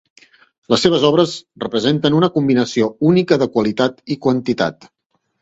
Les seves obres representen una combinació única de qualitat i quantitat.